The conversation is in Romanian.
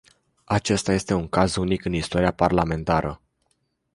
Acesta este un caz unic în istoria parlamentară.